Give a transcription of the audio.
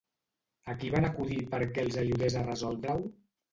A qui van acudir perquè els ajudés a resoldre-ho?